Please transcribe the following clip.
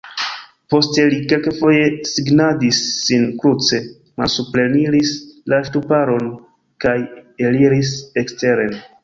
Poste li kelkfoje signadis sin kruce, malsupreniris la ŝtuparon kaj eliris eksteren.